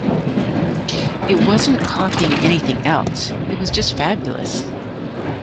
It wasn't copying anything else; it was just fabulous.